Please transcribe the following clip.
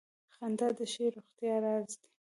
• خندا د ښې روغتیا راز دی.